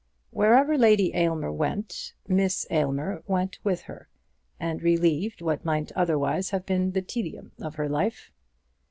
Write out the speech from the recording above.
Wherever Lady Aylmer went Miss Aylmer went with her, and relieved what might otherwise have been the tedium of her life.